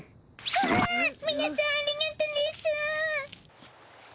わみなさんありがとうですぅ。